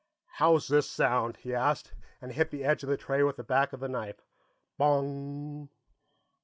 "How's this sound?" he asked, and hit the edge of the tray with the back of the knife, Bong!